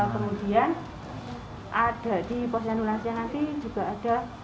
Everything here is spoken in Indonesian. kemudian ada di pos yandul lansia nanti juga ada